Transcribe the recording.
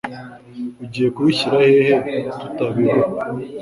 Ugiye kubishyira hehe tutabibura?